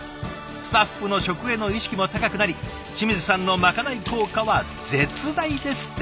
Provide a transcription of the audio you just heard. スタッフの食への意識も高くなり清水さんのまかない効果は絶大ですって。